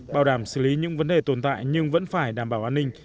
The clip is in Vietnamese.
bảo đảm xử lý những vấn đề tồn tại nhưng vẫn phải đảm bảo an ninh